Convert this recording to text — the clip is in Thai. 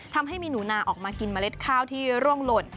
ทำให้มีหนูนาออกมากินเมล็ดข้าวที่ร่วงหล่น